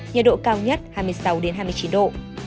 nhiệt độ cao nhất hai mươi sáu hai mươi chín độ